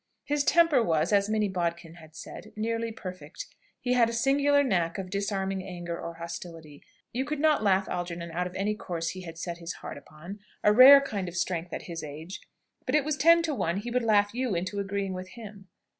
His temper was, as Minnie Bodkin had said, nearly perfect. He had a singular knack of disarming anger or hostility. You could not laugh Algernon out of any course he had set his heart upon a rare kind of strength at his age but it was ten to one he would laugh you into agreeing with him.